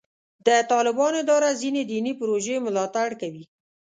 د طالبانو اداره ځینې دیني پروژې ملاتړ کوي.